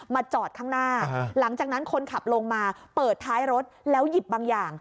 จอดข้างหน้าหลังจากนั้นคนขับลงมาเปิดท้ายรถแล้วหยิบบางอย่าง